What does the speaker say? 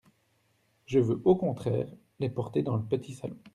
Je veux, au contraire, les porter dans le petit salon…